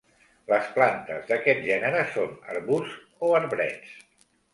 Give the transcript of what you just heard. Les plantes d'aquest gènere són arbusts o arbrets.